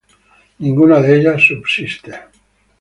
Ninguna de ellas subsiste.